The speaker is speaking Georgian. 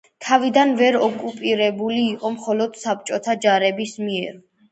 თავიდან ვენა ოკუპირებული იყო მხოლოდ საბჭოთა ჯარების მიერ.